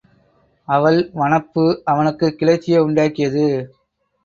அவள் வனப்பு அவனுக்குக் கிளர்ச்சியை உண்டாக்கியது.